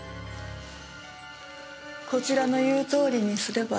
こちらの言うとおりにすれば。